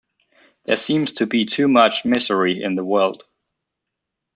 There seems to me too much misery in the world.